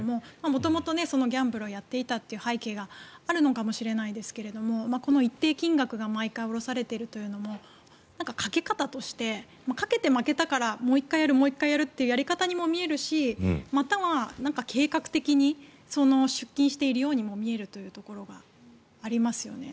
元々、ギャンブルをやっていたという背景があるのかもしれないですがこの一定金額が毎回下ろされているというのも賭け方として賭けて負けたからもう１回やるというやり方にも見えるしまたは計画的に出金しているようにも見えるというところがありますよね。